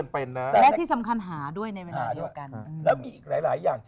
และที่สำคัญหาด้วย